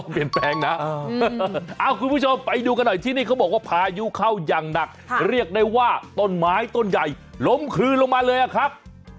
เปลี่ยนแปลงนะเอาคุณผู้ชมไปดูกันหน่อยที่นี่เขาบอกว่าพายุเข้าอย่างหนักเรียกได้ว่าต้นไม้ต้นใหญ่ล้มคืนลงมาเลยอะครับ